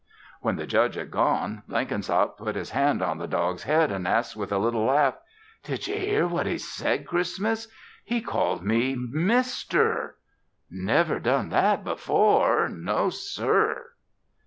When the Judge had gone, Blenkinsop put his hand on the dog's head and asked with a little laugh: "Did ye hear what he said, Christmas? He called me Mister. Never done that before, no sir!"